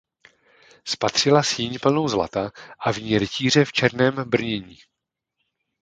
Spatřila síň plnou zlata a v ní rytíře v černém brnění.